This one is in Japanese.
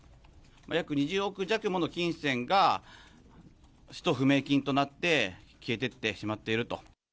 約２０億弱もの金銭が使途不明金となって、消えていってしまっていると。